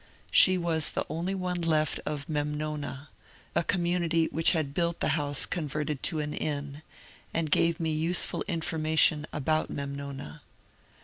She was the only one left of *^ Memnona," a community which had built the house con verted to an inn, and gave me useful information about «^ Memnona."